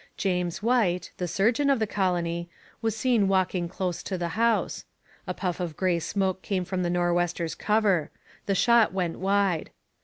James White, the surgeon of the colony, was seen walking close to the house. A puff of grey smoke came from the Nor'westers' cover. The shot went wide.